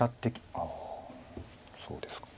ああそうですか。